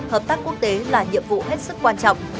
hợp tác quốc tế là nhiệm vụ hết sức quan trọng